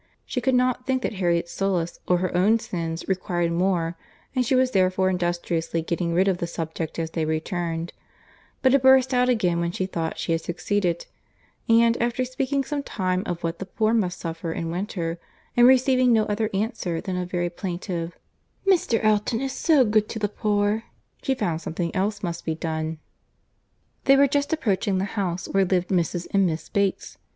She could not think that Harriet's solace or her own sins required more; and she was therefore industriously getting rid of the subject as they returned;—but it burst out again when she thought she had succeeded, and after speaking some time of what the poor must suffer in winter, and receiving no other answer than a very plaintive—"Mr. Elton is so good to the poor!" she found something else must be done. They were just approaching the house where lived Mrs. and Miss Bates.